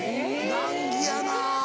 難儀やな。